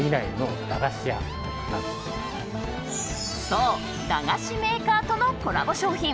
そう、駄菓子メーカーとのコラボ商品。